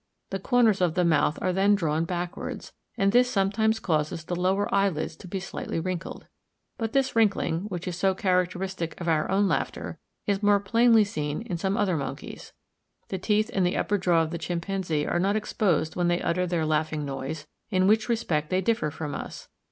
The corners of the mouth are then drawn backwards; and this sometimes causes the lower eyelids to be slightly wrinkled. But this wrinkling, which is so characteristic of our own laughter, is more plainly seen in some other monkeys. The teeth in the upper jaw in the chimpanzee are not exposed when they utter their laughing noise, in which respect they differ from us.